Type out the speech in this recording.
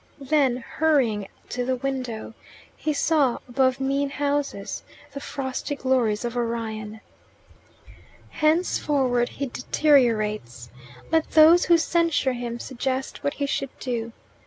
Then, hurrying to the window, he saw above mean houses the frosty glories of Orion. Henceforward he deteriorates. Let those who censure him suggest what he should do.